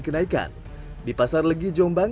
kenaikan di pasar legi jombang